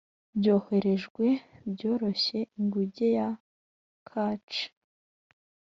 byoroheje, byoroshye, inguge ya catchee